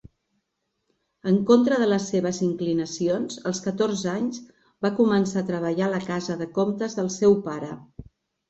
En contra de les seves inclinacions, als catorze anys, va començar a treballar a la casa de comptes del seu pare.